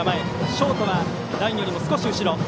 ショートはラインより少し後ろ。